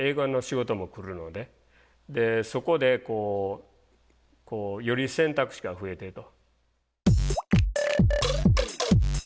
そこでこうより選択肢が増えてると。